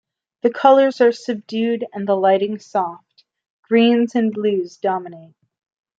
The colors are subdued and the lighting soft; greens and blues dominate.